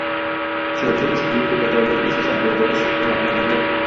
Se había descubierto petróleo en sus alrededores el año anterior.